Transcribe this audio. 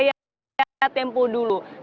yang ada di tempo dulu